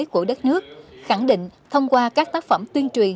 của đất nước khẳng định thông qua các tác phẩm tuyên truyền